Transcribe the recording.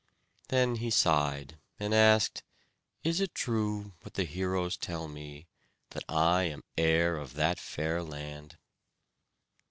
Then he sighed, and asked: "Is it true what the heroes tell me, that I am heir of that fair land?"